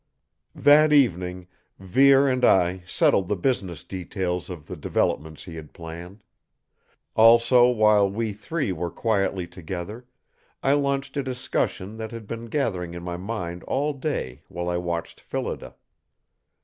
That evening Vere and I settled the business details of the developments he had planned. Also while we three were quietly together, I launched a discussion that had been gathering in my mind all day while I watched Phillida.